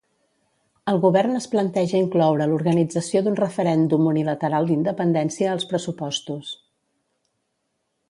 El govern es planteja incloure l'organització d'un referèndum unilateral d'independència als pressupostos.